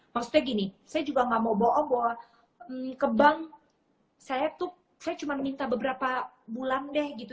maksudnya gini saya juga gak mau bohong bahwa ke bank saya tuh saya cuma minta beberapa bulan deh gitu